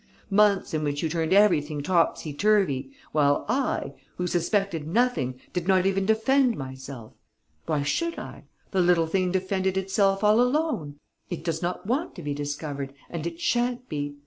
Months in which you turned everything topsy turvy, while I, who suspected nothing, did not even defend myself! Why should I? The little thing defended itself all alone.... It does not want to be discovered and it sha'n't be....